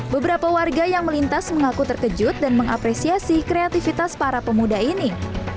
beberapa warga yang melintas mengaku terkejut dan mengapresiasi kreativitas para pemuda ini